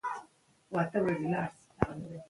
هلمند سیند د افغان ماشومانو د لوبو موضوع ده.